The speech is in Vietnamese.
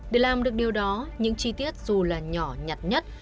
để làm được điều đó những chi tiết dù là nhỏ nhặt nhất